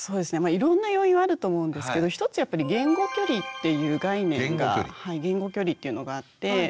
いろんな要因はあると思うんですけど１つやっぱり「言語距離」っていう概念が言語距離っていうのがあって。